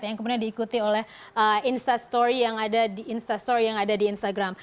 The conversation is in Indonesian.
yang kemudian diikuti oleh instastory yang ada di instagram